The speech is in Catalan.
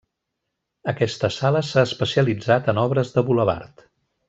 Aquesta sala s'ha especialitzat en obres de bulevard.